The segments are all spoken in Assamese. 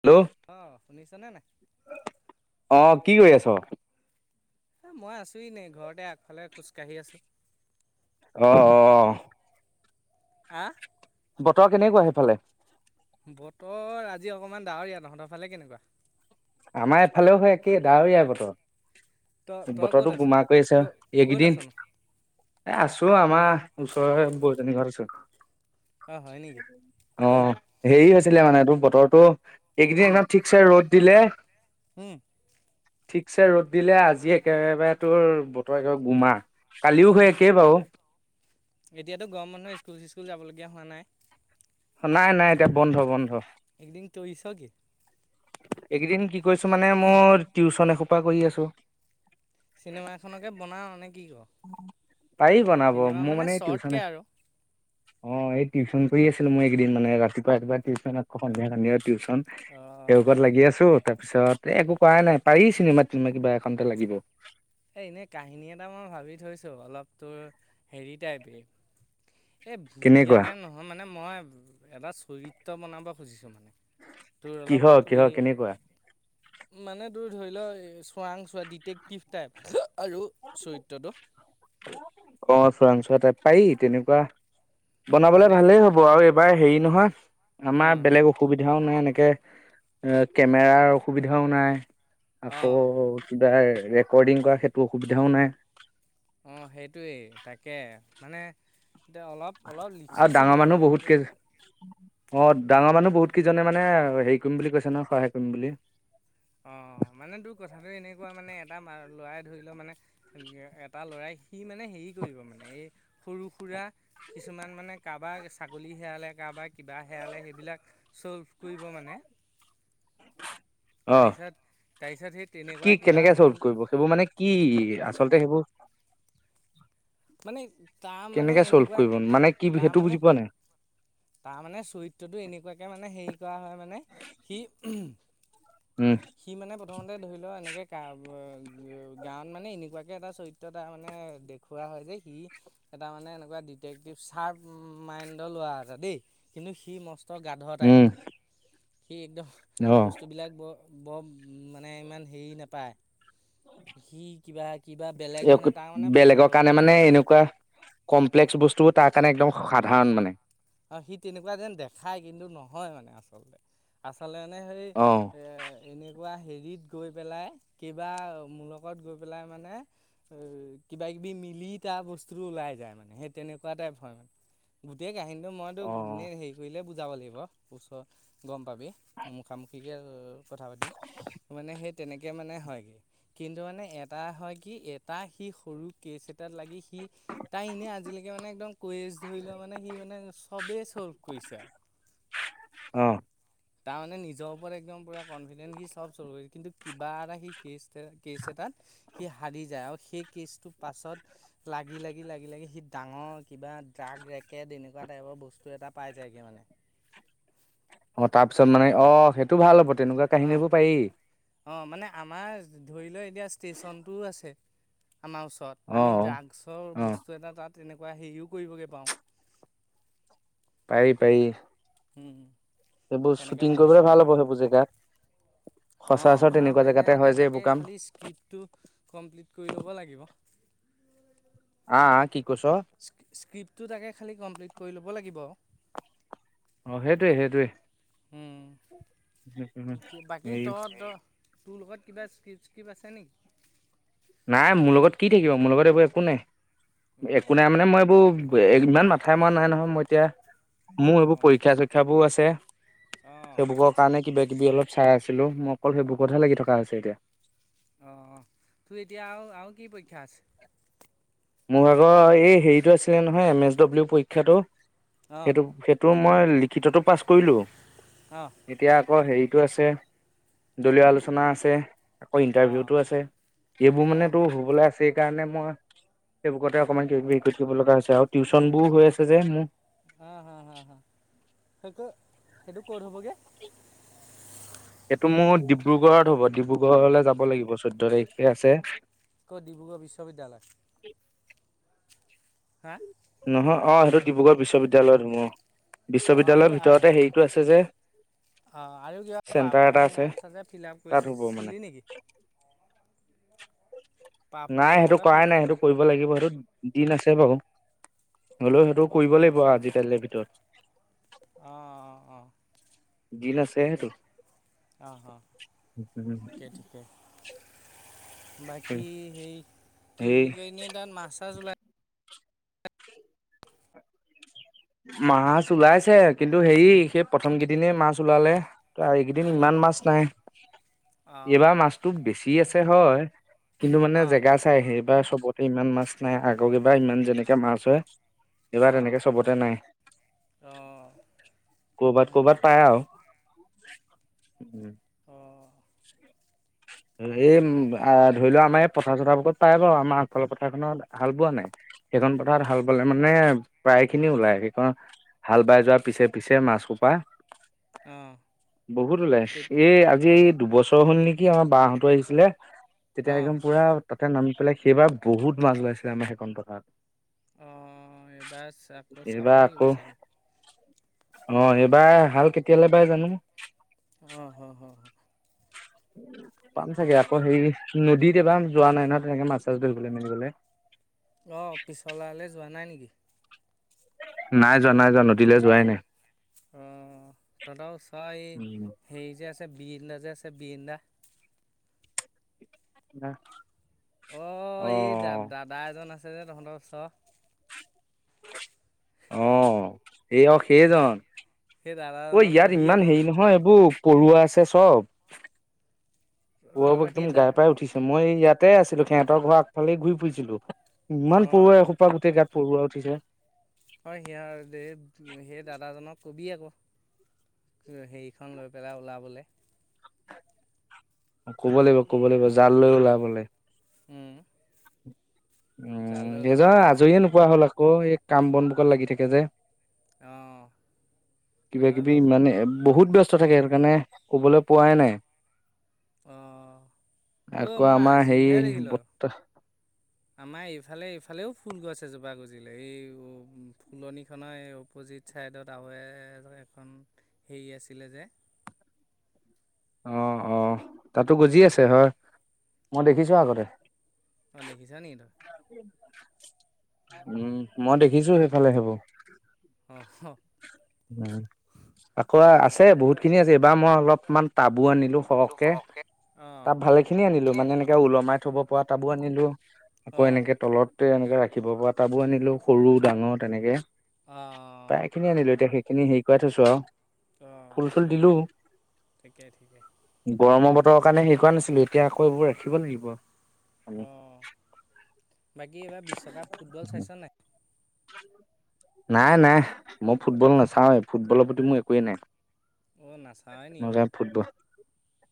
হেল্ল, অ, শুনিছাঁনে নাই? অ, কি কৰি আছ? এই, মই আছো এনেই ঘৰতে আগফালে খোজকাঢ়ি আছোঁ। অ', অ, আহ বতৰ কেনেকুৱা সেইফালে? বতৰ আজি অকণমান ডাৱৰীয়া, তহঁতৰ ফালে কেনেকুৱা? আমাৰ এফালেও সেই, একেই ডাৱৰীয়া বতৰ। তই তই ক'ত বতৰতো আছ? গোমা কৰি আছে, ক-ক'ত এইকেইদিন আছনো? আছোঁ আমাৰ ওচৰৰে বৌ, এজনী ঘৰত আছোঁ। অ', হয় নেকি? অ', হেৰি হৈছিলে মানে টো, বতৰটো এইকেইদিন একদম ঠিকছে ৰ'দ দিলে। হম, ঠিকছে ৰ'দ দিলে, আজি একেবাৰে তোৰ বতৰ একেবাৰে গোমা, কালিও সেই উম, একেই বাৰু। এতিয়াতো গৰম বন্ধ, স্কুল-চিস্কুল যাবলগীয়া হোৱা নাই। নাই, নাই এতিয়া বন্ধ, বন্ধ। এইকেইদিন তৰিছ কি? এইকেইদিন কি কৰিছো মানে মোৰ, টিউচন এসোপা কৰি আছোঁ। চিনেমা এখনকে বনাওঁ নে, কি ক? পাৰি বনাব, চিনেমা মোৰ মানে শ্বৰ্টকে টিউচন এখ আৰু। অ', এই টিউচন কৰি আছিল মইকেইদিন মানে, ৰাতিপুৱা, ৰাতিপুৱা টিউচন আকৌ, সন্ধিয়া সন্ধিয়া টিউচন। অ', সেইসোপাত লাগি আছো, তাৰপিছত এই একো কৰাই নাই, পাৰি চিনেমা-তিনেমা কিবা এখনতে লাগিব। সেই এনেই কাহিনী এটা মই ভাবি থৈছোঁ অলপ তোৰ হেৰি টাইপেই। এই ভুটীয়া কেনেকুৱা টাইম নহয় মানে, মই এটা চৰিত্ৰ বনাব খুজিছোঁ মানে। তোৰ অলপ কিহৰ এ কিহৰ কেনেকুৱা মানে তোৰ ধৰি ল, চোৰাংচোৰা ডিটেক্টিভ টাইপ আৰু চৰিত্ৰটো। অ' চোৰাংচোৱা টাইপ পাৰি তেনেকুৱা বনাবলে মানে ভালেই হ'ব। [unintelligible] এইবাৰ হেৰি নহয় অ আমাৰ বেলেগ অসুবিধাও নাই এনেকে। এ কেমেৰাৰ অসুবিধাও নাই। অ আকৌ কিবা ৰেকৰ্ডিং কৰা সেইটো অসুবিধাও নাই। অ' সেইটোৱেই তাকে মানে এতিয়া অলপ-অলপ আৰু ডাঙৰ লিখিছিলোঁ মানুহ অলপ। বহুত এই কেই অ' ডাঙৰ মানুহ বহুত কেইজনে মানে হেৰি কৰিম বুলি কৈছে ন, সহায় কৰিম বুলি। অ' মানে তোৰ কথাটো এনেকুৱা মানে এটা ল'ৰাই ধৰি লও মানে এটা ল'ৰাই সি মানে হেৰি কৰিব মানে এই সৰু-সুৰা কিছুমান মানে কা'বাৰ ছাগলী হেৰালে কা'বাৰ কিবা হেৰালে সেইবিলাক ছ'ল্ভ কৰিব মানে। অ তাৰপিছত তাৰপিছত সি তেনেকুৱাই কিবা সৰু এইবোৰ মানে কি আচলতে সেইবোৰ মানে তাৰ মানে কেনেকে ছল্ভ এনেকুৱা কৰিব মানে কি সেইটো বুজি পোৱা নাই। তাৰমানে চৰিত্ৰটো এনেকুৱাকে মানে হেৰি কৰা হয় মানে সি উম। সি মানে প্ৰথমতে ধৰি লও এনেকে গাঁৱত মানে এনেকুৱাকে এটা চৰিত্ৰ তাৰ মানে দেখুওৱা হয় যে সি এটা মানে এনেকুৱা ডিটেক্টিভ চাৰ্প মাইণ্ডৰ লৰা। দেই কিন্তু সি মস্ত গাধ টাইপ উম মানে সি একদম অ বস্তুবিলাক বৰ বৰ মানে ইমান হেৰি নাপায়। সি কিবা-কিবা বেলেগ ধৰণে তাৰ মানে বেলেগৰ কাৰণে মানে এনেকুৱা কমপ্লেক্স বস্তুবোৰ তাৰ কাৰণে একদম সাধাৰণ মানে। আৰু সি তেনেকুৱা যেন দেখায় কিন্তু নহয় মানে আচলতে। আচলনে সেই অ এনেকুৱা হেৰিত গৈ পেলাই কেইবা মোৰ লগত গৈ পেলাই মানে অ' কিবা-কিবি মিলি তাৰ বস্তু ওলাই যায় মানে, সেই তেনেকুৱা টাইপ হয়। গোটেই কাহিনী কিন্তু মইতো অ এনেই হেৰি কৰিলেই বুজাব লাগিব, ওচৰ গম পাবি মুখামুখি। কথা পাতিম মানে সেই তেনেকে মানে হয়গে। কিন্তু মানে এটা হয়, কি এটা সি সৰু কেছ এটাত লাগি সি তাই এনেই আজিলেকে মানে একদম কুয়েজ ধৰি লোৱা মানে সি মানে চবেই ছল্ভ কৰিছে আৰু। অ'! তাৰমানে নিজৰ ওপৰত একদম পুৰা কনফিডেন্স সি চব চ কিন্তু কিবা এটা সি কেছ কেছ এটাত সি হাৰি যায়, আৰু সেই কেচটো পাছত লাগি লাগি লাগি লাগি সি ডাঙৰ কিবা ড্ৰাগ ৰেকেড এনেকুৱা টাইপৰ বস্তু এটা পাই যায়গৈ মানে। অঁ তাৰপিছত মানে অঁ সেইটো ভাল হ'ব তেনেকুৱা কাহিনীবোৰ পাৰি। অঁ, মানে আমাৰ ধৰি ল' এতিয়া ষ্টেশচনটোও আছে আমাৰ অ ওচৰত। আমি ড্ৰাগছৰ অ বস্তু এটা তাত এনেকুৱা হেৰিও কৰিবগে পাওঁ। পাৰি পাৰি। হম। সেইবোৰ শ্বুটিং কৰিবলে ভাল হ'ব সেইবোৰ জেগাত। অঁ সচৰাচৰ বনাব তেনেকুৱা পাৰিলে জেগাতে হয় সেইটোৱে যে এইবোৰ তাকে কাম খালী স্ক্ৰিপ্টটো কমপ্লিট কৰি ল'ব লাগিব। আ কি কৈছ স্ক্ৰিপ্টটো তাকে খালী কমপ্লিট কৰি ল'ব লাগিব অ সেইটোৱে সেইটোৱে হম ঠিক বাকী হে ত ত তোৰ লগত কিবা স্কিপ প্ক্ৰিপ আছে নেকি নাই মোৰ লগত কি থাকিব মোৰ লগত এইবোৰ একো নাই অঁ একো নাই মানে মই এইবোৰ ইমান মাথাই মৰা নাই নহয় মই এতিয়া মোৰ সেইবোৰ অঁ পৰীক্ষা চৰীক্ষাবোৰ আছে অঁ সেইবোৰক কাৰণে কিবা কিবি অলপ চাই আছিলো মোক অকল সেইবোৰ কতে লাগি থকা হৈছে এতিয়া অ অ তোৰ এতিয়া আৰু আৰু কি পৰীক্ষা আছে মোৰ ভাগৰ এই হেৰিটো আছিলে নহয় এম এছ ডব্লিউ পৰীক্ষাটো অঁ সেইটো সেইটো মই লিখিতটো পাছ কৰিলো অঁ এতিয়া আকৌ হেৰিটো আছে দলীয় আলোচনা আছে আকৌ অঁ ইণ্টাৰভিউটো আছে এইবোৰ মানে অঁ তোৰ হবলে আছে কাৰণে মই সেই বুকতে অকণমান হৰি কৰি থাকিব লগা হৈছে আৰু টিউচ্যন বোৰ হৈ আছে যে মোৰ হা হা হা হা সেই সেইটো ক'ত হ'বগে সেইটো মোৰ ডিব্ৰুগড়ত হ'ব ডিব্ৰুগড়লৈ যাব লাগিব চৈধ্য তাৰিখে আছে কত ডিব্ৰুগড় বিশ্ববিদ্যালয় তাত নহয় অ সেইটো ডিব্ৰুগড় বিশ্ববিদ্যালয়ত হব। অঁ আৰু বিশ্ববিদ্যালয়ৰ ভিতৰতে হেৰিটো আছে যে? অঁ আৰু কিবা চেণ্টাৰ এটা পাৰ্ফৰ্মিং আৰ্টছ আছে ফিল আপ তাত হ'ব মানে কৰিছিলি নেকি? নাই পাৰফৰ্মিং সেইটো আৰ্টৰ ফিল কৰাই নাই সেইটো কৰিব লাগিব সেইটো দিন আছে বাৰু, হ'লেও সেইটো অঁ কৰিব লাগিব আৰু আজিকালিৰ ভিতৰত। অ অ অ। দিন আছে ঠিকে, সেইটো অ অ ঠিকে ঠিকে। বাকী সেই কি সেই বুলি কয় এনেই তাত মাছ - চাছ ওলাই মাছ ওলাইছে কিন্তু হেৰি সেই প্ৰথম কেইদিনে মাছ ওলালে। ত এইকেইদিন উম ইমান মাছ নাই? এইবাৰ অঁ মাছটো বেছি আছে হয়। কিন্তু মানে অঁ জেগা আছে চাই সেইবাৰ চবতে ইমান মাছ নাই আগৰ কেইবাৰ ইমান যেনেকে মাছ হয়, সেইবাৰ অঁ তেনেকে চবত তে নাই? অঁ কৰ'বাত হয় কৰ'বাত নেকি পাই আৰু। উম। [unintelligible] অঁ। [unintelligible] এই তাকে আ ধৰি লোৱা আমাৰ এই পথাৰ চথাৰবোৰত পায় বাৰু, আমাৰ আগফালৰ পথাৰখনত হাল বোৱা নাই? সেইখন পথাৰত অঁ হাল বালে। মানে প্ৰায়খিনি ওলাই, সেইখন হাল বাই যোৱা পিছে পিছে মাছসোপা। অঁ বহুত ওলাই, কে এই আজি এই দুবছৰ হ'ল নেকি আমাৰ বাহতো আহিছিলে তেতিয়া অঁ একদম পুৰা তাতে নামি পেলাই সেইবাৰ বহুত মাছ ওলাইছিলে আমাৰ সেইখন পথাৰত। অঁ এইবাৰ চা আকৌ চাব এইবাৰ লাগিব আকৌ চাগে? আ হাল কে কেলে বাই জানো মোক? অ হ হ হ। পাম ঠিকে চাগে আকৌ ঠিকে হেৰি নদীত এবাৰ যোৱা নাই নহয় তেনেকে মাছ - চাছ ধৰিবলে মেলি গলে। অ পিছলালে যোৱা নাই নেকি? নাই যোৱা নাই যোৱা নদীলৈ যোৱাই নাই? অ তহঁতও চোৱা এই উম, হেৰি যে আছে বিৰিন্দা যে আছে বিৰিন্দা? আহ অ এই দা দাদা এজন আছে যে তহঁতৰ ওচৰ। অ সেই অ সেইজন। সেই ঐ দাদাজনক ইয়াত কবি ইমান আকৌ হেৰি নহয় এইবোৰ পৰুৱা আছে চব। পৰুৱাবোৰ তহঁতৰ একদম সেই দা গাই পাই উঠিছে, মই এই ইয়াতে আছিলো সিহঁতৰ ঘৰ আগফালে ঘূৰি ফুৰিছিলো। ইমান অঁ পৰুৱা এসোপা গোটেই গাত পৰুৱা উঠিছে। হয় সেইয়াৰ যে সেই দাদাজনক কবি আক। হুৱে হেৰিখন লৈ পেলাই ওলাবলে। ক'ব লাগিব ক'ব লাগিব জাল লৈ ওলাবলে। উম। উম এইজন আজৰিয়ে নোপোৱা হ'ল আকৌ এই কাম বনসোপাত লাগি থাকে যে। অঁ কিবা হয় কিবি বাৰু মানে বহুত ব্য স্ত থাকে সেইটো কাৰণে কবলৈ পোৱাই নাই? অ ঔ আকৌ মই আমাৰ হেৰি আজিহে দেখিলো। বৰ্তা আমাৰ ইফালে এইফালেও ফুল গছ এজোপা গুজিলে, এই অ ফুলনিখনৰ এই অপজিত। ছাইডত আৰু এ এখন হেৰি আছিলে যে অ অ তাতো গজি আছে হয়, মই দেখিছো আগতে। অ দেখিছা নি তই? উম মই দেখিছো সেইফালে সেইবোৰ। অ হ উম আকৌ আছে ঠিকেই বহুতখিনি আজি এইবাৰ মই অলপমান টাবো আনিলো। লো সহকে সৰহকে অঁ টাব ভালেখিনি আনিলো কিনি মানে আনিলোঁ এনেকে কে ওলমাই থব পৰা টাবো আনিলো আকৌ অঁ এনেকে তলতে এনেকে ৰাখিব পৰা টাবো আনিলো। সৰু অঁ ডাঙৰ তেনেকে অঁ প্ৰায়খিনি আনিলো এতিয়া সেইখিনি হেৰি কৰাই থৈছো আও। অঁ ফুল চুল দিলো ঠিকে ঠিকে গৰমৰ বতৰৰ কাৰণে হেৰি কৰা নাছিলো এতিয়া আকৌ এইবোৰ ৰাখিব লাগিব। অ বাকী এইবাৰ বিশ্বকাপ ফুটবল চাইছ নাই নাই নাই মই ফুটবল নাচাওৱেই ফুটবলৰ প্ৰতি মোৰ একোৱে নাই। অঁ নাচাওৱে নি তই মজা ফুটবল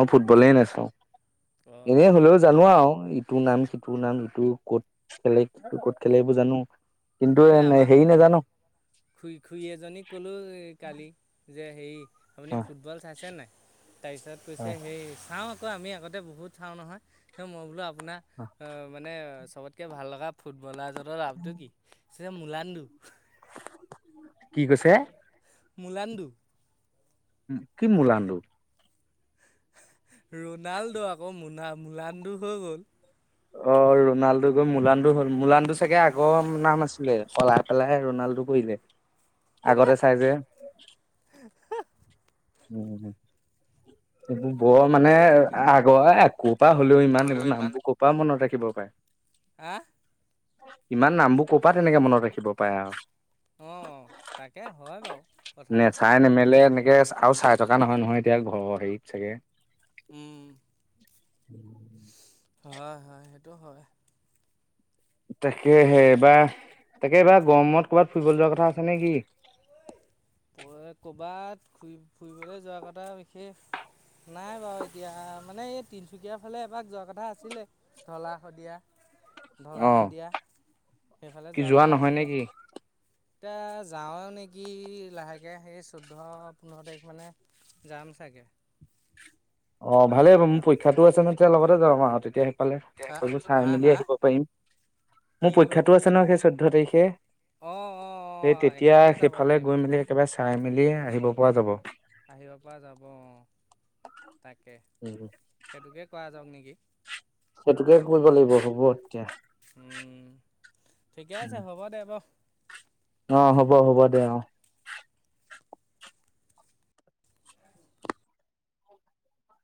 মই ফুটবলে নাচাও এনে অঁ হলেও জানো আও ইটোৰ নাম সিটোৰ নাম ইটো ক'ত খেলে সিটো ক'ত খেলে এইবোৰ জানো। কিন্তু এই আমাক হেৰি খু খ নাজানো খুই খুই এজনীক ক'লো কালি যে হেৰি আপুনি অ ফুটবল চাইছে নাই? তাইপিছত অ কৈছে সেই চাও আকৌ আমি আগতে বহুত চাও নহয় মই বোলো আপোনাৰ অ মানে চবতকে ভাল লগা ফুটবলাৰজনৰ নামটো কি চিধাই মুলাণ্ডু কি কৈছে মুলাণ্ডু কি মুলাণ্ডু ৰোনাল্ডো আকৌ মুনা মুলাণ্ডো হৈ গ'ল। অ ৰোণাল্ডো গৈ মুলাণ্ডু হ'ল, মুলাণ্ডু চাগে আগৰ নাম আছিলে ফলা সলাইহে ৰনাল্ডো কৰিলে আগতে চাই যে [inaudible] উম, এইবোৰ বৰ মানে, ঠিকেই ঠিকে। আগৰ একো পৰা হ'লেও ইমান এইবোৰ নামবোৰ ক'ৰ পৰা মনত ৰাখিব পাই। আহ, ইমান নামবোৰ ক'ৰপা, তেনেকে মনত ৰাখিব পাৰে আৰু। অ, অ, তাকে হয় বাৰু। কথাটো। নেচাই নেমেলে, এনেকে আও চাই থকা নহয় নহয় এতিয়া ঘৰৰ হেৰিত চাগে। উম, হয়, হয় সেইটো হয়। তাকেহে এবাৰ, তাকে এইবা উম গৰমত ক'ৰবাত ফুৰিবলে যোৱাৰ কথা আছে নেকি? কৰ'বাত ফুৰি, ফুৰিবলৈ যোৱা কথা বিশেষ নাই বাৰু এতিয়া, মানে এই তিনিচুকীয়াৰ ফালে এপাক যোৱা কথা আছিলে। ধলা শদিয়া। ধলা অ শদিয়া, সেইফালে কি যোৱা কথা নহয় নে আছিলে। কি এতিয়া, যাওৱে নেকি? লাহেকে সেই, চৈধ্য পোন্ধৰ তাৰিখ মানে যাম চাগে। অ, ভালেই হ'ব মোৰ পৰীক্ষাতোও আছে নহয়, তেতিয়া লগতে যাম আৰু তেতিয়া সেইফালে। চাই হা মেলি হা আহিব পাৰিম, কি মোৰ হ'ল পৰীক্ষাটো আছে ন, সেই চৈধ্যয় তাৰিখে। অঁ অঁ এই অঁ তেতিয়া একেলগে যাব সেইফালে পাৰিম গৈ মেলি, তেতিয়া একেবাৰে চাই মেলি, আহিব পৰা যাব। আহিব পৰা যাব অ, তাকে। উম, হম, সেইটোকে কৰা যাওক নেকি? সেইটোকে কৰিব লাগিব হ'ব এতিয়া। উম, ঠিকে আছে, হ'ব দে বাৰু। অ, হ'ব হ'ব দে অ, [unintelligible]